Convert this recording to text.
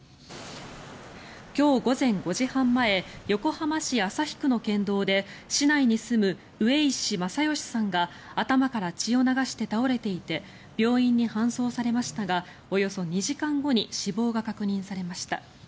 今日午前５時半前横浜市旭区の県道で市内に住む上石正義さんが頭から血を流して倒れていて病院に搬送されましたがおよそ２時間後に死亡が確認されました。